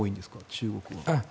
中国は。